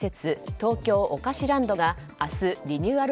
東京おかしランドが明日、リニューアル